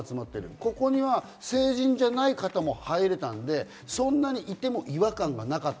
ここには成人じゃない方も入れたので、そんなにいても違和感がなかった。